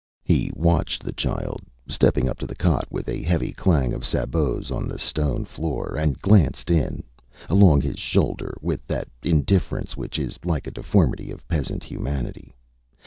He watched the child, stepping up to the cot with a heavy clang of sabots on the stone floor, and glanced in, along his shoulder, with that indifference which is like a deformity of peasant humanity.